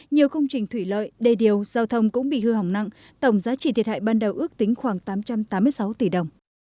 nhiều công trình thủy lợi đề điều giao thông cũng bị hư hỏng nặng tổng giá trị thiệt hại ban đầu ước tính khoảng tám trăm tám mươi sáu tỷ đồng